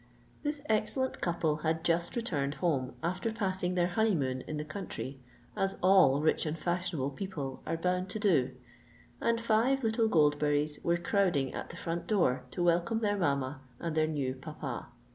This excellent couple had just returned home, after passing their honeymoon in the country, as all rich and fashionable people are bound to do; and five little Goldberrys were crowding at the front door to welcome their mamma and their "new papa."